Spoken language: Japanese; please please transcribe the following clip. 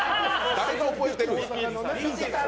誰が覚えてるん？